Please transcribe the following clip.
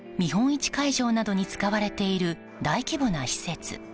市会場などに使われている大規模な施設。